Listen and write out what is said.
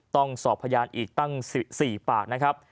ต้องสอบพยานอีกตั้ง๔ปากนะครับ